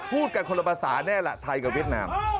พูดกันคนละภาษาแน่ล่ะไทยกับเวียดนาม